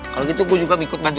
kalau gitu gue juga ikut bantu